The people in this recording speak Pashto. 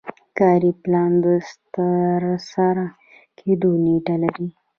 کاري پلان د ترسره کیدو نیټه لري.